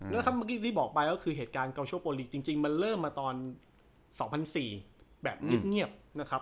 แล้วถ้าเมื่อกี้ที่บอกไปก็คือเหตุการณ์เกาโชโปรลีกจริงมันเริ่มมาตอน๒๐๐๔แบบเงียบนะครับ